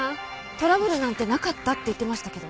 トラブルなんてなかったって言ってましたけど？